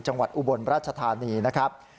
จังหวัดอุบลประชาธานีนะครับ